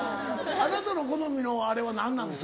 あなたの好みのあれは何なんです？